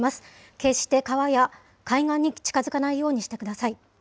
決して、川や海岸に近づかないようにしてください。